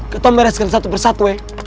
kita mereskan satu persatu weh